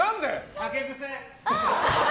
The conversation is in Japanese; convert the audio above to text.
酒癖。